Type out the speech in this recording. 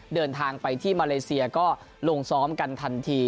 เดินทางไปที่มาเลเซียก็ลงซ้อมกันทันที